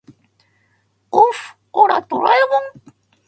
おっふオラドラえもん